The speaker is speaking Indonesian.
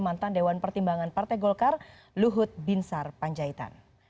mantan dewan pertimbangan partai golkar luhut binsar panjaitan